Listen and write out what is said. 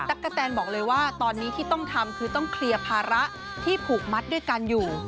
กะแตนบอกเลยว่าตอนนี้ที่ต้องทำคือต้องเคลียร์ภาระที่ผูกมัดด้วยกันอยู่